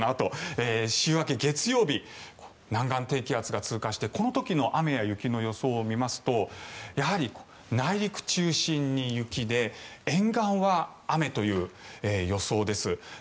週明け、月曜日南岸低気圧が通過してこの時の雨や雪の予想を見ますとやはり、内陸中心に雪で沿岸は雨という予想です。